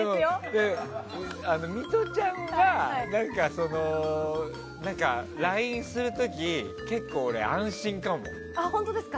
ミトちゃんはＬＩＮＥする時結構俺、安心かも。